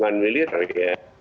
saya belum paham tentang kapal selam